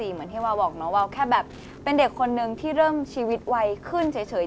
เหมือนที่วาวบอกน้องวาวแค่แบบเป็นเด็กคนนึงที่เริ่มชีวิตไวขึ้นเฉย